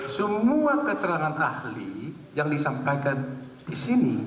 semua keterangan ahli yang disampaikan disini